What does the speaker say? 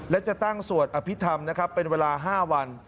และจะตั้งสวดอภิษฐรรมนะครับเป็นเวลา๕วัน